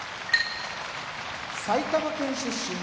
埼玉県出身